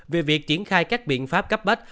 vì việc triển khai các biện pháp cấp bách